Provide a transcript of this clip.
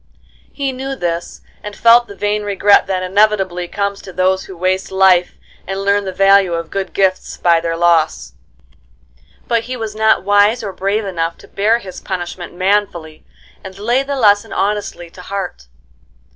He knew this, and felt the vain regret that inevitably comes to those who waste life and learn the value of good gifts by their loss. But he was not wise or brave enough to bear his punishment manfully, and lay the lesson honestly to heart.